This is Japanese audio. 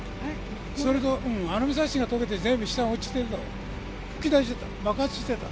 それと、アルミサッシが溶けて、全部下に落ちてるの、噴き出してた、爆発してた。